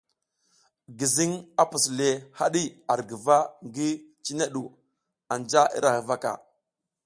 Gizing a a pus le hadi ar guva ngi, cine du anja ira huvaka.